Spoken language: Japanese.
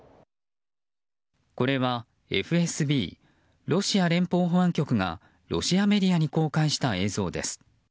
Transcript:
これはＦＳＢ・ロシア連邦保安局がロシアメディアに公開した映像です。